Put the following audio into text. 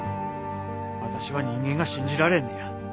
私は人間が信じられんのや。